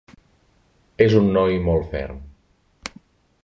És un noi molt ferm.